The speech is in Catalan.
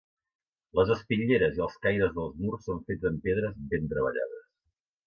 Les espitlleres i els caires dels murs són fets amb pedres ben treballades.